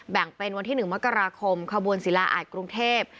แบ่งเป็นวันที่๑มกราคมขบวนศิลาอาจกรุงเทพ